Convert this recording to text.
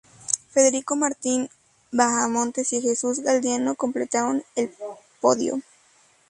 Federico Martín Bahamontes y Jesús Galdeano completaron el podio.